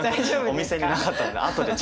お店になかったので。